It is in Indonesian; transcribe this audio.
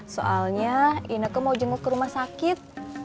soalnya ineke mau jemput ke rumah sakit